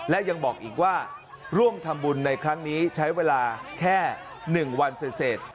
และยังบอกอีกว่าร่วมทำบุญในครั้งนี้ใช้เวลาแค่๑วันเสร็จ